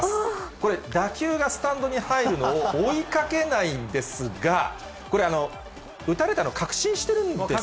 これ、打球がスタンドに入るのを追いかけないんですが、これ、打たれたの確信してるんですかね。